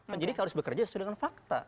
penyidik harus bekerja sesuai dengan fakta